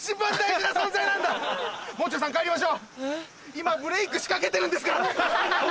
今ブレークしかけてるんですから！